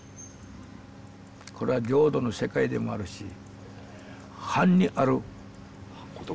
これは浄土の世界でもあるし恨にあることでもある。